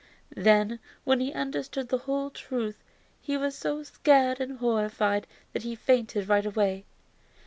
Then when he understood the whole truth he was so scared and horrified that he fainted right away.